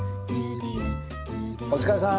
お疲れさん。